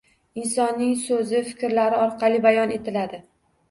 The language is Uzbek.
Insonning so‘zi, fikrlari orqali bayon etiladi.